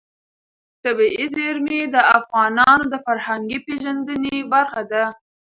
طبیعي زیرمې د افغانانو د فرهنګي پیژندنې برخه ده.